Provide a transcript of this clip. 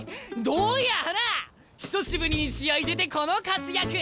久しぶりに試合出てこの活躍！